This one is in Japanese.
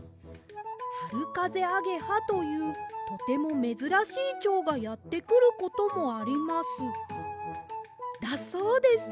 『はるかぜアゲハ』というとてもめずらしいチョウがやってくることもあります」だそうです。